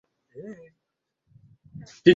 Baba ameondoka kwenda dukani.